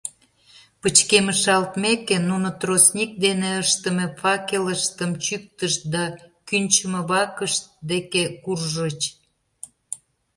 Пычкемышалтмеке, нуно тростник дене ыштыме факелыштым чӱктышт да кӱнчымӧ вакышт деке куржыч.